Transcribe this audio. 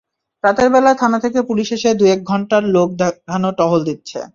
রাতের বেলা থানা থেকে পুলিশ এসে দুয়েক ঘণ্টার লোক দেখানো টহল দিচ্ছে।